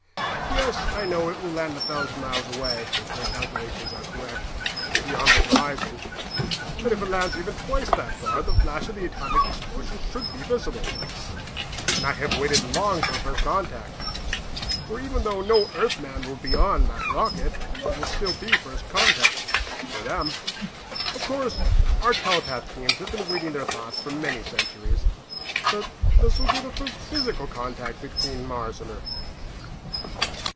Yes, I know, it will land a thousand miles away, if their calculations are correct. Beyond the horizon. But if it lands even twice that far the flash of the atomic explosion should be visible. And I have waited long for first contact. For even though no Earthman will be on that rocket, it will still be first contact for them. Of course our telepath teams have been reading their thoughts for many centuries, but this will be the first physical contact between Mars and Earth."